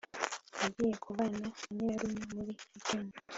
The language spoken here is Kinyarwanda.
agiye kubana na nyirarume muri wikendi